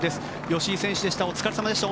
吉居選手でしたお疲れ様でした。